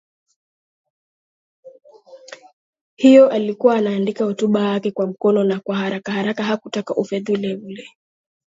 hiyo alikuwa anaandika hotuba yake kwa mkono na kwa haraka haraka Hakutaka ufedhuli ule